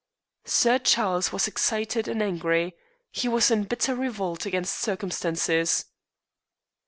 Sir Charles was excited and angry. He was in bitter revolt against circumstances.